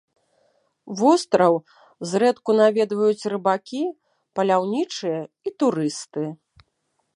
Востраў зрэдку наведваюць рыбакі, паляўнічыя і турысты.